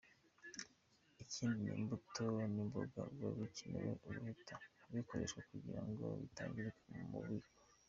Ikindi imbuto n’imboga biba bikenewe guhita bikoreshwa kugira ngo bitangirikira mu bubiko.